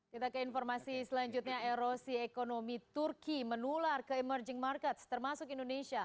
kita ke informasi selanjutnya erosi ekonomi turki menular ke emerging markets termasuk indonesia